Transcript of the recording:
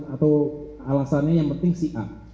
atau alasannya yang penting si a